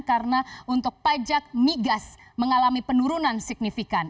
karena untuk pajak migas mengalami penurunan signifikan